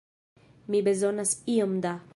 Mi bezonas iom da...